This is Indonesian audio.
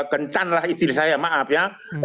kencanlah istri saya maaf ya